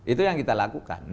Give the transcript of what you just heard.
itu yang kita lakukan